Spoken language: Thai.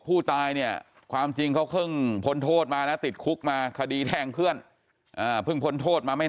ผู้ตายเนี่ยความจริงเขาเพิ่งพ้นโทษมานะติดคุกมาคดีแทงเพื่อนเพิ่งพ้นโทษมาไม่